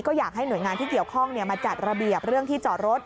ก็อยากให้หน่วยงานที่เกี่ยวข้องมาจัดระเบียบเรื่องที่จอดรถ